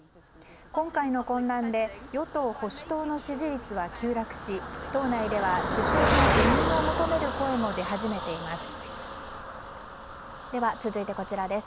今回の混乱で与党・保守党の支持率は急落し党内では首相の辞任を求める声も出始めています。